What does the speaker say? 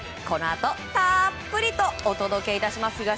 このあとたっぷりとお届け致します。